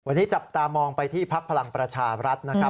วันนี้จับตามองไปที่พักพลังประชารัฐนะครับ